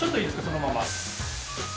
そのまま。